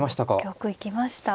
玉行きました。